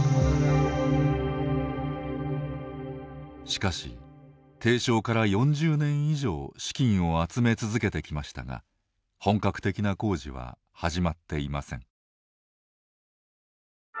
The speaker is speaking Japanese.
しかし、提唱から４０年以上資金を集め続けてきましたが本格的な工事は始まっていません。